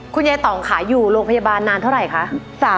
ต่องค่ะอยู่โรงพยาบาลนานเท่าไหร่คะ